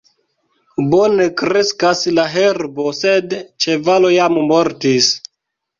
Bone kreskas la herbo, sed ĉevalo jam mortis.